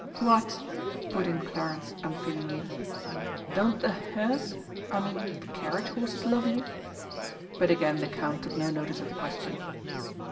"What?" put in Clarence unfeelingly, "don't the hearse I mean the carriage horses love you?" But again the Count took no notice of the question.